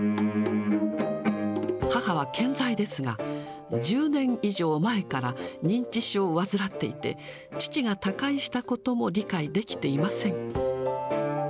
母は健在ですが、１０年以上前から認知症を患っていて、父が他界したことも理解できていません。